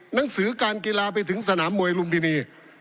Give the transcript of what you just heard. หนังสือการกีฬาไปถึงสนามมวยลุมพินี